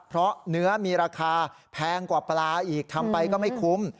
เพราะเนื้อมีราคาแพงกว่าปลาอีกทำไปก็ไม่คุ้ม